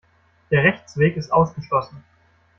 Der Rechtsweg ist ausgeschlossen.